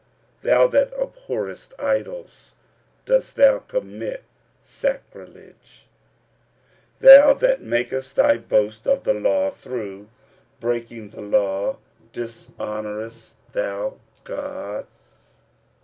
thou that abhorrest idols, dost thou commit sacrilege? 45:002:023 Thou that makest thy boast of the law, through breaking the law dishonourest thou God?